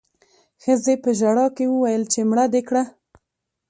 ښځې په ژړا کې وويل چې مړه دې کړه